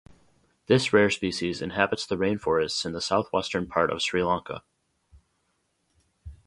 This rare species inhabits the rainforests in the southwestern part of Sri Lanka.